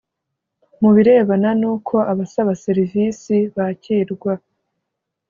Mu birebana n uko abasaba serivisi bakirwa